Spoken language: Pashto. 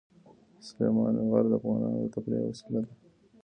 سلیمان غر د افغانانو د تفریح یوه وسیله ده.